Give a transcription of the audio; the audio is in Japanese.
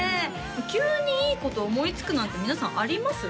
急にいいこと思いつくなんて皆さんあります？